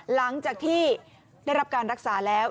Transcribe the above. หลังจากที่ได้รับการรักษาแล้ว